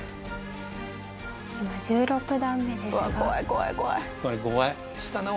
今１６段目ですが。